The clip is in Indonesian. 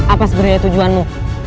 apa sebenarnya tujuanmu